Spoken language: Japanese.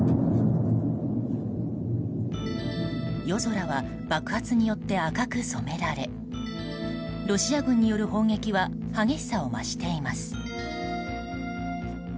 夜空は爆発によって赤く染められロシア軍による砲撃は激しさを増しています。